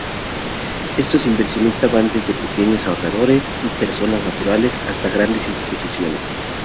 Estos inversionistas van desde pequeños ahorradores y personas naturales, hasta grandes instituciones.